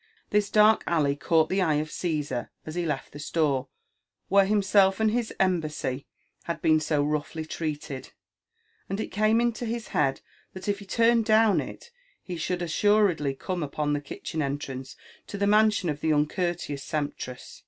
This dark alley caught the eye ot Caesar as he l^ft the store where himself aad bis embrassy had been so roughly treated, and it came into his head that if he turned down it, he should assuredly come upon the kitchens entrance to the mansion of the uncoorteous sempstress.